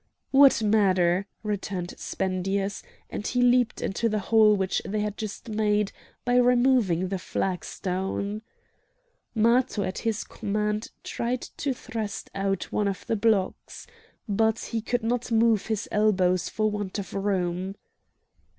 "What matter?" returned Spendius, and he leaped into the hole which they had just made by removing the flagstone. Matho at his command tried to thrust out one of the blocks. But he could not move his elbows for want of room.